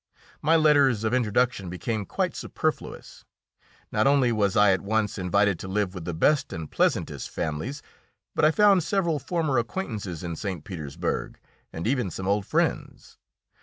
My letters of introduction became quite superfluous; not only was I at once invited to live with the best and pleasantest families, but I found several former acquaintances in St. Petersburg, and even some old friends.